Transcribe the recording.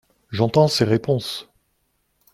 J’entends ces réponses.